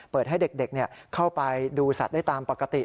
เปิดให้เด็กเข้าไปดูสัตว์ได้ตามปกติ